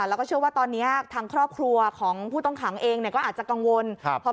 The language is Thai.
ไม่เกินเที่ยงนี้ค่ะคุณอรรยาครับ